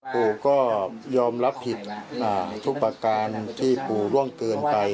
ปู่ก็ยอมรับผิดทุกประการที่ปู่ร่วงเกินไป